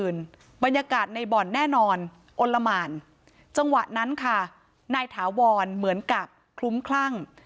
ในบอร์นแน่นอนโอนละมารจังหวะนั้นค่ะนายถาวรเหมือนกับคลุ้มคลั่ง